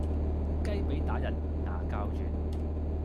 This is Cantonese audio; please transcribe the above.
雞脾打人牙較軟